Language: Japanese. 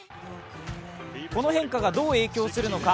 この変化がどう影響するのか。